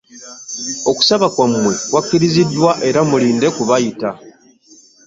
Okusaba kwammwe kwakkiriziddwa era mulinde kubayita.